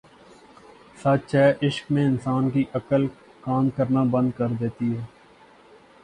سچ ہے عشق میں انسان کی عقل کام کرنا بند کر دیتی ہے